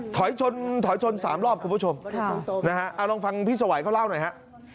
ถอยชน๓รอบคุณผู้ชมนะฮะเอาลองฟังพี่สวัยเขาเล่าหน่อยฮะ